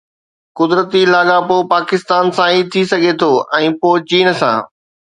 قدرتي لاڳاپو پاڪستان سان ٿي سگهي ٿو ۽ پوءِ چين سان.